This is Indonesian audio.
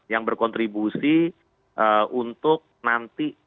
yang berkontribusi untuk nanti